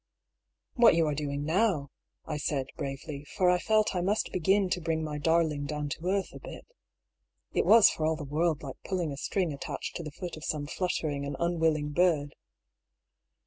" What you are doing now," I said bravely, for I felt I must begin to bring my darling down to earth a bit. (It was for all the world like pulling a string attached to the foot of some fluttering and unwilling bird.)